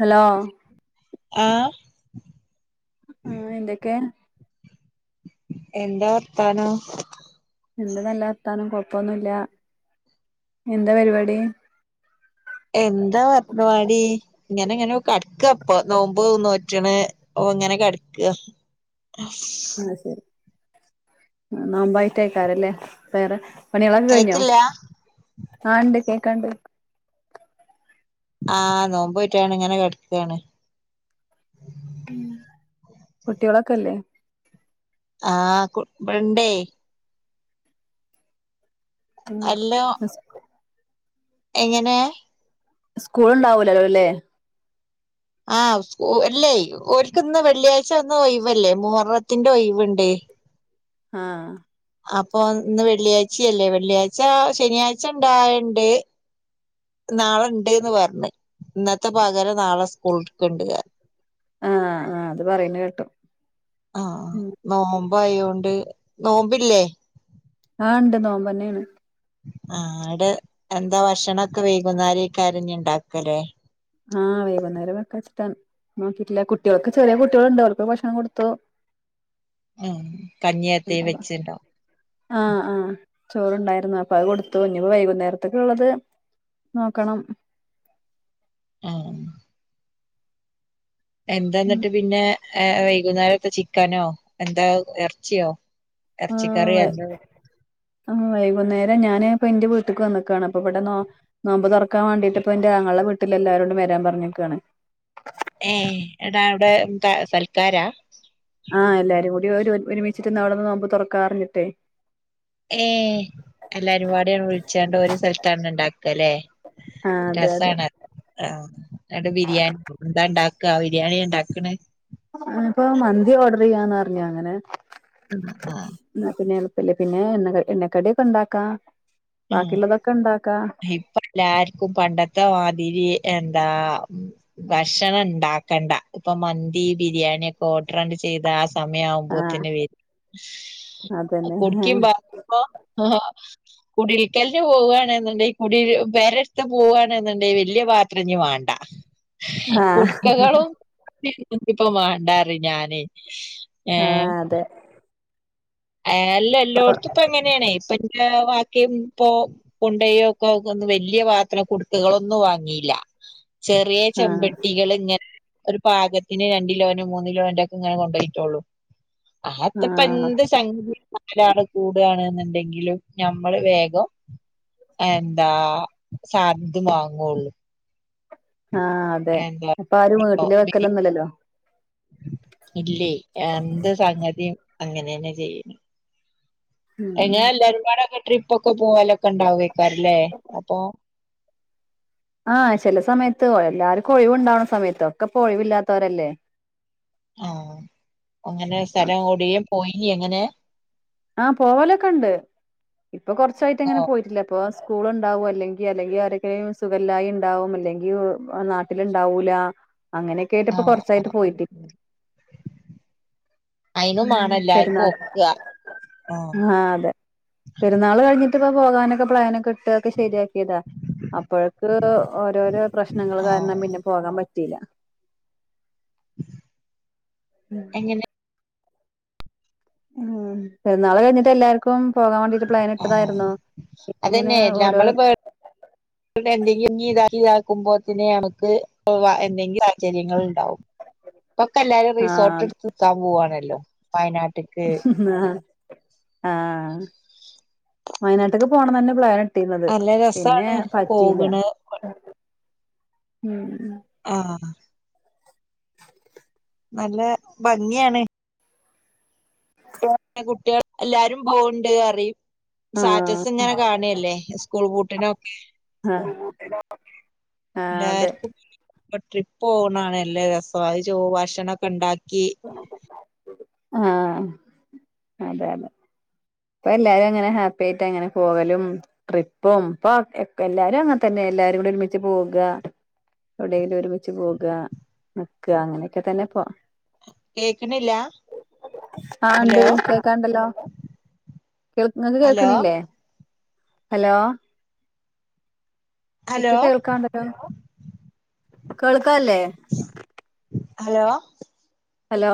Hello ആ ആഹ എന്തൊക്കെ എന്താ ഭർത്താണ് എന്ത് നല്ല എത്താനും കൊഴപ്പൊന്നുമല്ല എന്താ പരിപാടി എന്താ ഭരണവാാടി ഇങ്ങനെ ഇങ്ങനെ കിടക്ക അപ്പൊ നോമ്പ് നോറ്റണ് ഓ അങ്ങനെ കെടക്കുക നാമ്പായിട്ടേക്കാാരല്ലേ വേറെ പണികളൊക്കെ കഴിഞ്ഞോ കേക്കില്ല ആ ഉണ്ട് കേക്കണ്ട് ആഹ് നോമ്പോയിട്ടാണ് ഇങ്ങനെ കടക്കയാണ് കുട്ടികളൊക്കെല്ലേ ആഹ് കുണ്ടേ ഉംസ് എങ്ങനെയ സ്കൂൾ ഉണ്ടാവൂലല്ലോ അല്ലേ ആഹ അല്ലേ ഒക്ക്ിന്ന് വെള്ളിയാഴ്ച ഒന്ന് ഒഴവല്ലേ മൂത്തിന്റെ ഒൈവുണ്ട് ആഹ അപ്പൊ ഇന്ന് വെള്ളിയാഴ്ചയല്ലേ വെള്ളിയാഴ്ച്ച ശനിയാഴ്ച ഉണ്ടായണ്ട് നാളെ ഉണ്ട്ന്ന് പറഞ്ഞ ഇന്നത്തെ പകരം നാളെ സ്കൂളക്കണ്ട് ക ആഹ ആഹ അത് പറയുന്ന കേട്ടോ ആഹ നോമ്പ ആയോണ്ട് നോമ്പില്ലേ കണ്ട് നോ പറന്നെയാണ് ആ ഇടെ എന്താ ഭക്ഷണംൊക്കെ വൈകുന്നര കരഞ്ഞ ഉണ്ടാക്കല്ലേ ആഹ് വൈകുന്നേരംൊക്കെ വച്ചിട്ടാൻ നോക്കിട്ടില്ല കുട്ടികൾക്ക്െ ചെറിയ കുട്ടികൾുണ്ടോ അവപ്പ ഭക്ഷണം കൊടുത്തോ [unintelligible] മ്മ് കഞ്ഞിയത്തെ വെച്ചിണ്ടോ ആഹ് ആഹ് ചോറുണ്ടായിരുന്നു അപ്പൊ അത് കൊടുത്തു ഇനീപ്പോ വൈകുന്നേരത്തേക്ക് ഉള്ളത് നോക്കണം ആഹ് എന്താ എന്നിട്ട് പിന്നെ ഏഹ് വൈകുന്നേരത്തെ ചിക്കനോ എന്താ ഇറച്ചിയോ ആഹ് ആഹ് വൈകുന്നേരം ഞാന് ഇപ്പ എന്റെ വീട്ട്ക്ക് വന്നക്കുകയാണ് അപ്പ ഇവിടെ നോമ്പ് തുറക്കാൻ വേണ്ടിട്ട് ഇപ്പ എന്റെ ആങ്ങളെടെ വീട്ടിൽ എല്ലാരോടും വരാൻ പറഞ്ഞിരിക്കയാണ് [inaudible] ഏഹ് എടാ അവിടെന്താ സൽക്കാരാ ആഹ് എല്ലാരും കൂടി ഒരു ഒരുമിച്ചിട്ട്ന്ന് അവിടെന്ന് നോമ്പ് തുറക്കാ പറിഞ്ഞിട്ടെ ഏഹ് എല്ലാരുംപാട് വിളിച്ചണ്ട് ഓരോ സ്ഥലത്താണ് ഉണ്ടാക്കല്ലേ ആഹ് അതെ അതെ രസമാണ് ആഹ് അന്നിട്ട് ബിരിയാണി എന്താണ്ടാക്ക ബിരിയാണി ഉണ്ടാക്കണെ ഇനിപ്പോ മന്തി ഓർഡർ ചെയ്യാന്ന് പറിഞ്ഞ് അങ്ങനെ ആഹ് ഇല്ല പിന്നെ എണ്ണ എണ്ണക്കടിയൊക്കെ ഇണ്ടാക്കാ ആഹ് ബാക്കിയുള്ളതൊക്കെ ഇണ്ടാക്കാ ഇപ്പ എല്ലാര്ക്കും പണ്ടത്തെ മാതിരി എന്താ ഭക്ഷണം ഇണ്ടാക്കണ്ട ഇപ്പൊ മന്തി, ബിരിയാണി ഒക്കെ ഓർഡർ അണ്ട് ചെയ്താ ആഹ് സമയവുമ്പോത്തിന് വരും അതന്നെ കുടുക്കിം പാത്രോം കുടിട്ക്കൽന് പോവാണ്ന്നുണ്ടെങ്കി കുടി പെരട്ത്ത് പോവാണ്ന്നുണ്ടെൽ വല്യ പാത്രം ഇനി വാണ്ട ആഹ് കുടുക്കകളും [inaudible] ഇൻക്കിപ്പം വാണ്ടാറി ഞാനേയ് ആഹ് ഏഹ് അതെ ഏഹ് അല്ല എല്ലോട്ത്തും ഇപ്പം അങ്ങനാണേ ഇപ്പം ന്റെ ബാക്കിയും ഇപ്പോ കൊണ്ടയോക്കെ ഒന്ന് വല്യ പാത്രം കുടുക്കകളൊന്നും വാങ്ങിയില്ല ചെറിയ ആഹ് ചെമ്പട്ടികളിങ്ങെ ഒരു പാകത്തിന് രണ്ട് കിലോനും മൂന്ന് കിലോൻ്റെക്കെങ്ങനെ കൊണ്ടോയിട്ടോളും ആഹ് ആത്പ്പെന്ത് [inaudible] കൂടാണ് ന്നുണ്ടെങ്കിലും ഞമ്മള് വേഗം എന്താ [unintelligible] വാങ്ങൊള്ളു ആഹ് അതെ ഇപ്പൊ ആരും വീട്ടില് വെക്കലൊന്നും ഇല്ലല്ലോ ഇല്ലേ എന്ത് സംഗതിയും അങ്ങനെ തന്നെയാ ചെയ്യണേ ഉം എങ്ങനാ എല്ലാം ഒരുപാടൊക്കെ ട്രിപ്പ് ഒക്കെ പോവാലൊക്കെ ഉണ്ടാവുക്കും അല്ലേ അപ്പൊ- ആഹ് ചില സമയത്ത് എല്ലാവരുക്കും ഒഴിവുണ്ടാവണ സമയത്ത് ഒക്കെ ഇപ്പൊ ഒഴിവില്ലാത്തവരല്ലേ ആഹ് അങ്ങനെ സ്ഥലം എവടേലും പോയി അങ്ങനെ- ആഹ് പോവലൊക്കെ ഇണ്ട് ഇപ്പൊ കൊറച്ചായിട്ട് ഓ ഇങ്ങനെ പോയിട്ടില്ല ഇപ്പൊ- സ്കൂൾ ഉണ്ടാവും അല്ലെങ്കിൽ അല്ലെങ്കിൽ ആരക്കേലും സുഖല്ലായി ഉണ്ടാവും അല്ലെങ്കിൽ നാട്ടിലുണ്ടാവൂല- അങ്ങനെയൊക്കെ ആയിട്ട് ഇപ്പൊ ആഹ് കൊറച്ചായിട്ട് പോയിട്ട് ആഹ് അയിനും ഉം മാണം എല്ലാർക്കും പെരുന്നാൾ ഒക്കുക ആഹ് അതെ പെരുന്നാൾ കഴിഞ്ഞി- ട്ടിപ്പോ പോകാനൊക്കെ പ്ലാനൊക്കെ ഇട്ടു ഒക്കെ ശരിയാക്കിയതാ അപ്പോഴക്ക് ഓരോരോ പ്രശ്നങ്ങൾ ആഹ് കാരണം പിന്നെ പോകാൻ പറ്റ- റ്റിയില്ല [inaudible] മ്മ് എങ്ങനെ മ്മ് പെരുന്നാൾ കഴിഞ്ഞിട്ട് എല്ലാർക്കും പോകാൻ വേണ്ടിട്ട് പ്ലാൻ ആഹ് ഇട്ടതായിരുന്നു പിന്നെ അങ്ങനെ അതന്നെ നമ്മള് ഓരോ-രോ എന്തെങ്കിലും ഇഞ്ഞി ഇതാക്കുമ്പോ തന്നെ നമുക്ക് പോകാം എന്തെങ്കിലും ആക്കിനെ നിങ്ങള് ഇപ്പൊക്കെ എല്ലാരും ആ റിസോർട്ട് എടുത്ത് നിക്കാൻ പോവാണല്ലോ വയനാട്ടില് ആഹ് ആഹ് വയനാട്ടക്ക് പോണം തന്നെ പ്ലാൻ - ട്ടിരുന്നത് നല്ല പിന്നെ രസാണ് പറ്റിയില്ല പോകണ് ആഹ് [inaudible] നല്ല ഭംഗിയാണേ പിന്നെ കുട്ടികള് എല്ലാരും പോവണ്ട് അറിയും ആഹ് സാറ്റസ് ഇങ്ങനെ കാണല്ലേ സ്കൂൾ ബൂട്ടിനൊ ആഹ് ആ അതെ ഇപ്പ ട്രിപ്പ് പോണ്ണാണ് എല്ലേ രസ്സം അത്‌ ചൊവ് ഭക്ഷണൊക്കെണ്ടാക്കി ആഹ് അതെ അതെ ഇപ്പ എല്ലാരും അങ്ങനെ ഹാപ്പി ആയിട്ട് അങ്ങനെ പോകലും ട്രിപ്പും ഇപ്പൊ ഒ ക്കെ എല്ലാരും അങ്ങൻതന്നെ എല്ലാരും കൂടി ഒരുമിച്ച് പോകാ എവിടേലും ഒരുമിച്ച് പോകാ ന്ക്കാ അങ്ങനൊക്കെതന്നെപ്പൊ കേക്കണില്ല ആഹ് ണ്ട് ഹലോ കേക്കാണ്ടല്ലോ കേൾ ങ്ങക്ക് ഹലോ കേൾക്ക്ണില്ലേ ഹലോ ഇക്ക് ഹലോ കേൾക്കാണ്ടോ കേൾക്കല്ലേ ഹലോ ഹലോ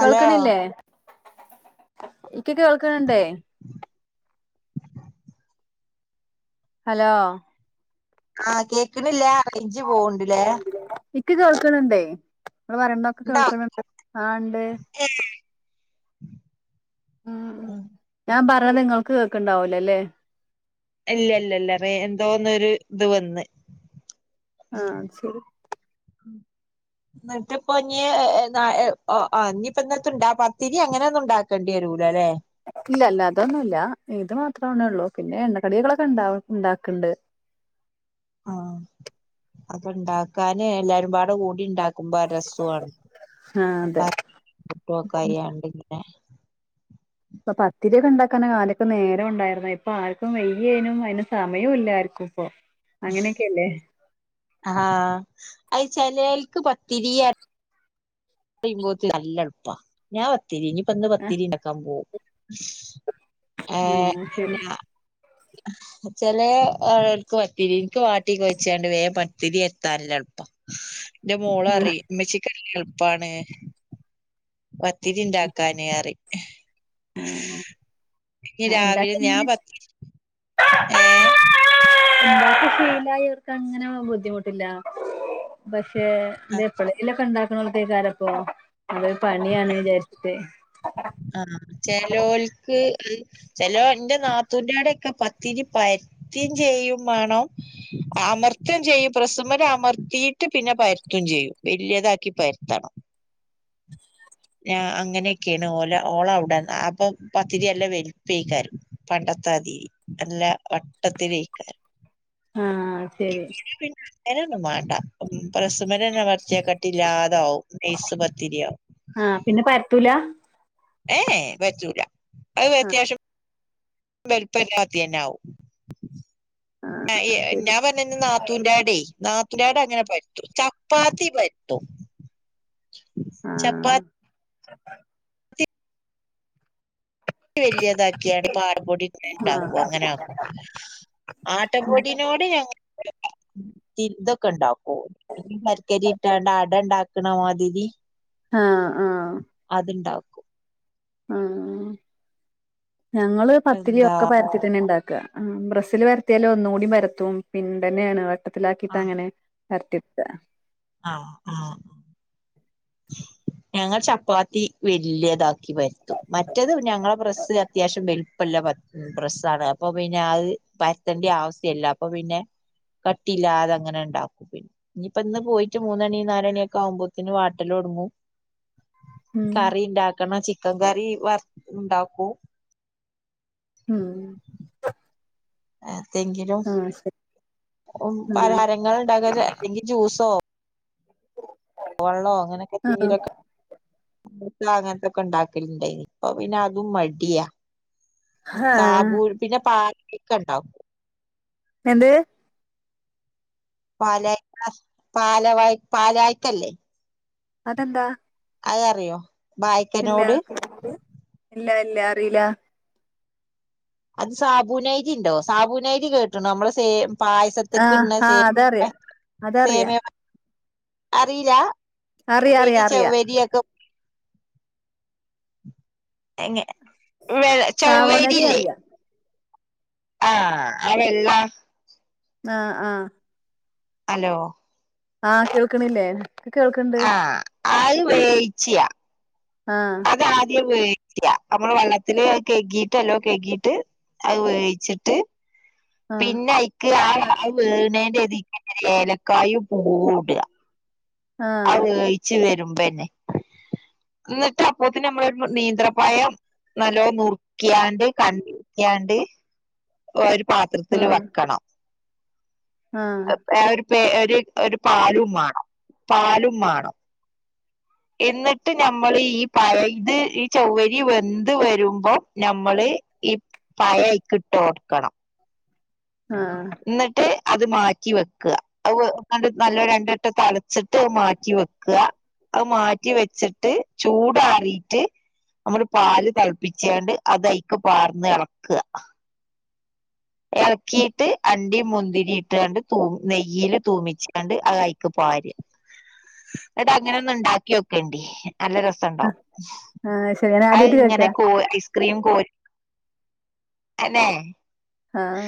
ഹലോ എക്കൊക്കെ കേൾക്കണുണ്ടേ ഹലോ ആഹ കേക്കണില്ലേ അറേഞ്ച് പോവണ്ട്ല്ലേ എക്ക് കേൾക്കണണ്ടേ നമ്മള് വരണ്ടൊക്കെ ഇണ്ടോ കേൾക്കണണ്ട് ആണ്ട് ഉം ഉ ഞാൻ പറഞ്ഞത് നിങ്ങൾക്ക് കേക്കണ്ടാവൂലല്ലേ ഇല്ല ഇല്ലല്ലറേ എന്തോന്നൊരു ഇത് വന്ന് ആഹ ശരി [inaudible] എന്നിട്ട് ഇപ്പ ഇനി ആ ഇനിയിപ്പോ ഇിട്ട ഇണ്ട പത്തിരി അങ്ങനെ ഒന്നും ഉണ്ടാക്കേണ്ടി വരുൂല അല്ലേ ഇല്ല ഇല്ല അതൊന്നുമല്ല ഇത് മാത്രമാേ ഉള്ളൂ പിന്നെ എണ്ണക്കടികകളൊക്കെ ഉണ്ട ഉണ്ടാക്കണ്ട് [inaudible] ആഹ അപ്പൊ ഇണ്ടാക്കാന് എല്ലാരുംപാട കൂടി ഉണ്ടാക്ക നക്കുമ്പ ആഹ് അതെ രസമാണ്ട്ടക്കെയണ്ട് ഇങ്ങനെ അപ്പൊ പത്തിരിയൊക്കെ ഉണ്ടാക്കാന കാലൊക്കെ നേരം ഉണ്ടായിുന്ന ഇപ്പൊ ആർക്കും വയ്യേനും അതിനന് സമയവും ഇല്ല ആർക്കും അങ്ങനെയൊക്കെല്ലേ ആഹ അത് ചനൽക്ക് പത്തിരി ുമ്പോ നല്ല എളുപ്പാ ഞാൻ പത്തിരി ഇനി പന്ന് ആഹ് പത്തിരി നക്കാൻ പോവും ആഏ ആഹ് എന്ത ശരി [inaudible] ചില ആളുകൾക്ക് പത്തിരി എനിക്ക് വാട്ടിക്ക് വച്ചണ്ട് വേ പത്തിരി എത്താനല്ല എളുപ്പ എന്റെ മോള ആഹ് അറിയമ്മച്ചക്ക് എളുപ്പാണ് പത്തിരിണ്ടാക്കാനേയറി ആഹ് ഇ ആഹ് രാവിലെ ഇണ്ടാക്കി അങ്ങനെ ഞാൻ പത്ത് ഏർ ഉണ്ടാക്ക ഫീലായിർക്ക് അങ്ങനെ ബുദ്ധിമുട്ടില്ലക്ഷ പേ എന്ത ആഹ് എപ്പഴെലൊക്കെ ഉണ്ടാക്കണത്തേക്കാരപ്പൊ നമ്മ പണിയാണ് വിചാരിച്ചട്ട ആഹ ചലോൽക്ക് ചലോ എന്റെ നാത്തൂന്റെടെ ഒക്കെ പത്തിരിപ്പായി ം ചെയ്യും വേണം അമർത്ം ചെയ്യും പ്രസമന അമർത്തിയിട്ട് പിന്നെ ും ചെയ്യും വലിയതാക്കി പരുത്തണം [inaudible] ഞ അങ്ങനെയൊക്കെയാണ് പോഓലെ ഓള അവിട അപ്പൊ പത്തിരി എല്ലാം വലുപ്പക്കാരും പണ്ടത്തെ തീതി എല്ല ട്ടത്തിേക്കാർ ആ അഹ്ശരി അങ്ങനൊന്നും മാണ്ട ഉം പ്രസ്മ്മലന്നെ അമർത്തിയാ കട്ടില്ല്യാ താവും നെയ്സ് പത്തിരിയാവും ആഹ് പിന്നെ പരത്തൂല ഏ എ പറ്റൂല അത് ആഹ് അത്യാവിശ്യം വെൽപ്പല്ലാതെന്നെ ആവും ആ ആഹ് ഏ ശരി ഞാൻ പർഞ്ഞെ ഇന്റെ നാത്തൂന്റെ ആടെ നാ ന്റോടങ്ങനെ പര്തും ചപ്പാത്തി പര്ത്തും ആഹ് ഇത് വല്ല്യേതാക്കിയാണ്ട് പൊ ആടപൊടി ഇട്ട് ണ്ടാക്കും ആഹ് അങ്ങനെ ആക്കും ആട്ടപൊടിനോട് ഞങ്ങക്ക് ഈ ഇതൊക്കെണ്ടാക്കോ ശർക്കരി ഇട്ടാണ്ട് അട ഇണ്ടാക്ക്ണ മാതിരി ആഹ് ആഹ് അത്ണ്ടാക്കും ആഹ് ഞങ്ങള് പത്തിരി എന്താ ഒക്കെ പരത്തീറ്റന്നെണ്ടാക്കാ ആ പ്രസ്സിൽ പരത്തിയാലെ ഒന്ന് കൂടി പരത്തും പിൻണ്ടെന്നെ ആണ് വട്ടത്തിലാക്കിട്ട് അങ്ങനെ പര്ത്തിട്ക്കാ ആഹ് ആഹ് [inaudible] ഞങ്ങൾ ചപ്പാത്തി വല്ലെതാക്കി പരത്തും മറ്റത് ഞങ്ങളെ പ്രസ്സ് അത്യാവശ്യം വെൽപ്പ [unintelligible] പ്രസ്സാണ് അപ്പൊ പിന്നെ അത് പര്തൻഡ്യാവ്സ്യല്ല്യ അപ്പൊ പിന്നെ കട്ടില്ലാതെ അങ്ങനെ ഇണ്ടാക്കും പിന്നെ ഇഞ്ഞ്‌പ്പ ഇന്ന് പോയിട്ട് മൂന്നണി നാലണിയൊക്കെ ആവുമ്പോത്തിന് വാ ട്ടൽ തൊടങ്ങും ഉം കറി ഇണ്ടാകണം ചി ചിക്കൻ കറി വർ ഉണ്ടാക്കും ഉം അങ്ങനെ എത്തെങ്കിലും ആഹ് ശരി ഉം ആഹ് പലഹാരങ്ങൾ ഇണ്ടാക്കാ ചാ അല്ലെങ്കി ജ്യൂസോ വളോ അങ്ങനൊക്കെ ആഹ് എത്തെങ്കിലൊക്കെ നമ്മളെപ്പളും അങ്ങൻത്തൊക്കെ ഉണ്ടാക്കല്ണ്ടായിനി ഇപ്പൊ പിന്നെ അതും മടിയാ ആഹ് സാബൂൽ പിന്നെ പാക്ക് ഒക്കെ ഇണ്ടാവു എന്ത്? പാലായി പാലവായ്ക്ക പാലായ്ക്കല്ലേ? അതെന്താ അയ് അറിയോ? ഇല്ല വായക്കനോട് ഇല്ല ഇല്ല അറീല. അത് സാബൂനെയ്രി ഇണ്ടോ സാബൂനെയ്രി കേട്ട്ണോ അമ്മൾ സേ പായസത്ത്ക്ക് ആഹ് ഇട്ണ സേ ആഹ് അതറിയാ [inaudible] അതറിയാ സേമെ പായ [inaudible] അറീലാ അറിയാ വെരി അറിയാ അറിയാ ചവ്വരി യൊക്കെ എങ്ങനെ വെ ചൗവ്വെരി സാവോനരി ഇല്ലേ അറിയാ ആഹ് അതെല്ലാ ആഹ് ആഹ്. ഹലോ. ആഹ് കേൾക്കണില്ലേ ഇൻക് കേൾക്കണ്ട്. അയ് വേവിച്ച ആഹ് അത് ആദ്യം വേ [unintelligible] നമ്മൾ വെള്ളത്തില് അത്‌ കൈകീട്ട് നല്ലോം കൈകീട്ട് അത് വേയിച്ച്ട്ട് ആഹ് പിന്നെ അയിക്ക് ആ അത്‌ വേവ്ണീന്റെ ഇതേക്ക് ഏലക്കായും പൂവും ഇട്വ. ആഹ് അയ് വേയിച്ച് വെരുമ്പെന്നെ ഇന്നട്ട് അപ്പോത്തിന് അമ്മളൊരു നീന്ത്രപഴം നല്ലോ മുറുക്കിയാണ്ട് കണ്ടിക്കാണ്ട് ഓര് പാത്രത്തിൽ ആഹ് വെക്കണം ആഹ് ആ ഒരു ഒരു ഒരു പാലും വേണംോ പാലും വേണംോ എന്നിട്ട് നമ്മൾ ഈ പഴത് ഈ ചൗ്വരി വെന്ത് വരുമ്പോം നമ്മള് ഈ പഴക്കിട്ട്ോഓർക്കണം ആഹ് എന്നിട്ട് അത് മാറ്റി വെക്കുകണ്ട് നല്ല രണ്ടിട്ടം തതിളച്ചിട്ട് മാറ്റി വെക്കുക അത് മാറ്റി വെച്ചിട്ട് ചൂടാറിട്ട് നമ്മള് പാല് തിളപ്പിച്ചണ്ട് അതഴക്ക പാർന്ന് ഇളക്കുക ഇറക്കിയിട്ട് അണ്ടി മുന്തിരി ഇട്ടണ്ട് ത നെയ്യൽ തൂമിച്ചണ്ട് അത് കഴക്ക പോ അട്ട അങ്ങനെ ഒന്ന ഉണ്ടാക്കിയൊക്കണ്ട നല്ല രസംുണ്ടാവും ആഹ് ശരി ഞാൻ അത് ആദ്യായിട്ട് ഇങ്ങനെ കേൾക്കാ കോ ഐസ്ക്രീം കോ അന്നെ ആഹ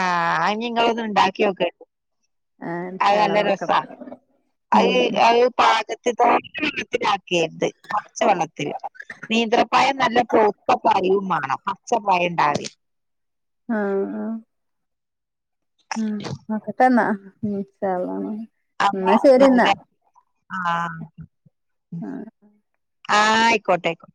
ആഹ് അ നിങ്ങള ഇത് ഉണ്ടാക്കിയൊക്കെ ഉണ്ട് ആഹ ഇഷ വക്കം അത് അ പാകത്തി തച്ച വെള്ളത്തില ആാക്കിയുണ്ട് കുറച്ച വെള്ളത്തില് നീന്ത്രപ്പായം നല്ല പൗത്തപ്പയും വേണം പച്ചപ്പഴം ഉണ്ടാവ ആഹ ആഹ ഉം നോക്കട്ടെ ന്നാ ഇന്ഷാ അല്ലഹ് അ ന ആഹ [unintelligible] ആഹ ആഹ് ആയിക്കോട്ടെ ആയിക്കോട്ടെ